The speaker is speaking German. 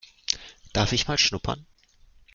Darf ich mal schnuppern?